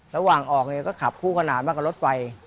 ระหว่างออกเนี่ยก็ขับคู่ขนาดมากับรถไฟ